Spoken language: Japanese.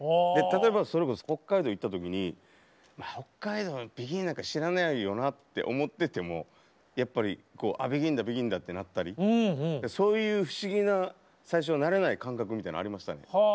例えばそれこそ北海道行った時に北海道でＢＥＧＩＮなんか知らないよなって思っててもやっぱりこう「あっＢＥＧＩＮだＢＥＧＩＮだ」ってなったりそういう不思議な最初慣れない感覚みたいなのありましたね。